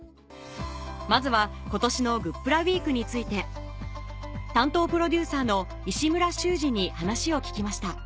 まずは今年のグップラウィークについて担当プロデューサーの石村修司に話を聞きました